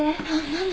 何？